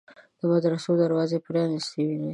د مدرسو دروازې پرانیستې ویني.